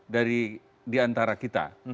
dari diantara kita